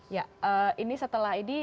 ya ini setelah ini